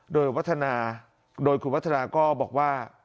โดยไว้วัฒนาโดยคุณไว้ก็บอกว่า